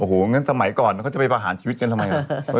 โอ้โหงั้นสมัยก่อนเขาจะไปประหารชีวิตกันทำไมวะ